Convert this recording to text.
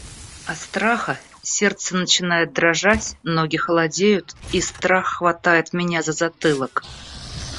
От страха сердце начинает дрожать, ноги холодеют и страх хватает меня за затылок.